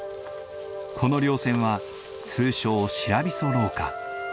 この稜線は通称シラビソ廊下。